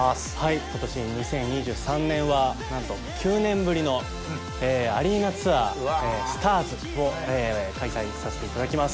今年２０２３年はなんと９年ぶりのアリーナツアー「ＳＴＡＲＳ」を開催させていただきます。